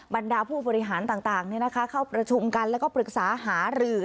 บรรดาผู้บริหารต่างเข้าประชุมกันแล้วก็ปรึกษาหารือ